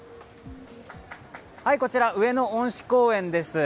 こちら上野恩賜公園です。